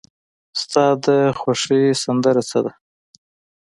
ستا د خوښې سندره څه ده؟